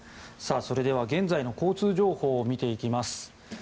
それでは現在の交通情報を見ていきます。